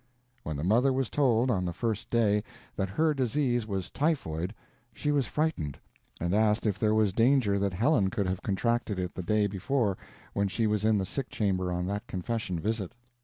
When the mother was told on the first day that her disease was typhoid, she was frightened, and asked if there was danger that Helen could have contracted it the day before, when she was in the sick chamber on that confession visit.